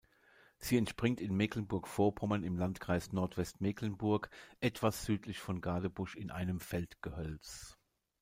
Sie entspringt in Mecklenburg-Vorpommern im Landkreis Nordwestmecklenburg, etwas südlich von Gadebusch in einem Feldgehölz.